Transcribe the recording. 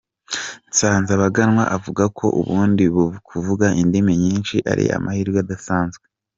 Nsanzabaganwa avuga ko ubundi kuvuga indimi nyinshi ari amahirwe adasanzwe.